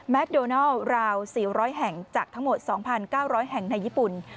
โดนัลราว๔๐๐แห่งจากทั้งหมด๒๙๐๐แห่งในญี่ปุ่น